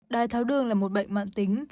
đai tháo đường là một bệnh mạng tính